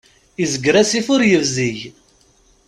Izger asif ur yebzig.